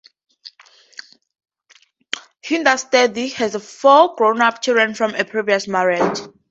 Hederstedt has four grownup children from a previous marriage.